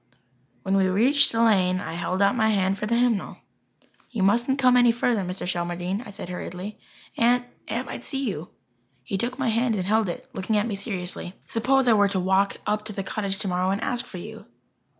When we reached the lane I held out my hand for the hymnal. "You mustn't come any further, Mr. Shelmardine," I said hurriedly. "Aunt Aunt might see you." He took my hand and held it, looking at me seriously. "Suppose I were to walk up to the cottage tomorrow and ask for you?"